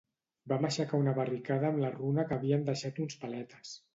Vam aixecar una barricada amb la runa que havien deixat uns paletes